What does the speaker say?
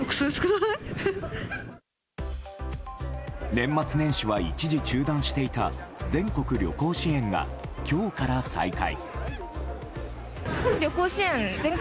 年末年始は一時中断していた全国旅行支援が今日から再開。